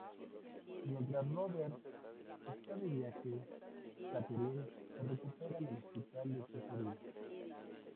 Mientras Robert está de viaje, Katherine se recupera en el hospital de sus heridas.